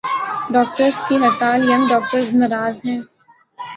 Doctors کی ہڑتال "young doctors "ناراض ہیں۔